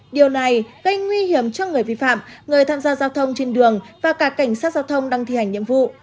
điều này gây nguy hiểm cho người vi phạm người tham gia giao thông trên đường và cả cảnh sát giao thông đang thi hành nhiệm vụ